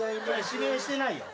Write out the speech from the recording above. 指名してないよ。